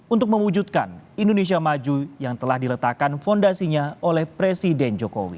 untuk mewujudkan indonesia maju yang telah diletakkan fondasinya oleh presiden jokowi